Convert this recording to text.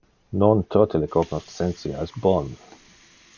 Non tote le cognoscentia es bon.